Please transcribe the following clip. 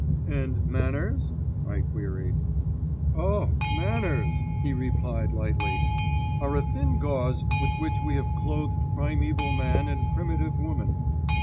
"And manners?" I queried. "Oh! manners," he replied lightly, "are a thin gauze with which we have clothed primæval man and primitive woman."